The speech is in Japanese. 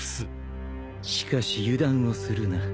しかし油断をするな。